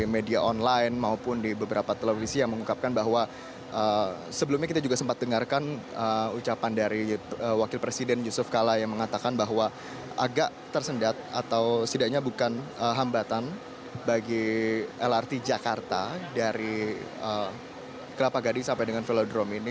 media online maupun di beberapa televisi yang mengungkapkan bahwa sebelumnya kita juga sempat dengarkan ucapan dari wakil presiden yusuf kala yang mengatakan bahwa agak tersendat atau setidaknya bukan hambatan bagi lrt jakarta dari kelapa gading sampai dengan velodrome ini